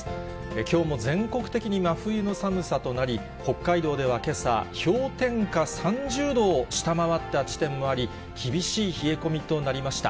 きょうも全国的に真冬の寒さとなり、北海道ではけさ、氷点下３０度を下回った地点もあり、厳しい冷え込みとなりました。